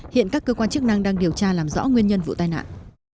hiện các cơ quan chức năng đang điều tra làm rõ nguyên nhân vụ tai nạn